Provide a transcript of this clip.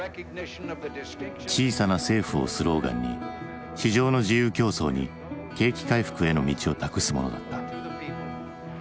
「小さな政府」をスローガンに市場の自由競争に景気回復への道を託すものだった。